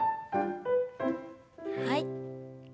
はい。